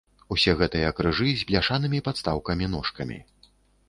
Усе гэтыя крыжы з бляшанымі падстаўкамі-ножкамі.